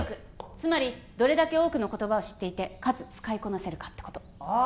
つまりどれだけ多くの言葉を知っていてかつ使いこなせるかってことああ